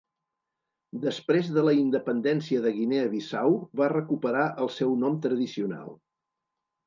Després de la independència de Guinea Bissau va recuperar el seu nom tradicional.